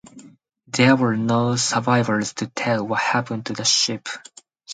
There were no survivors to tell what happened to the ship.